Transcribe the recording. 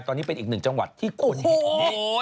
ตอนนี้เป็นอีกหนึ่งจังหวัดที่คุณรัก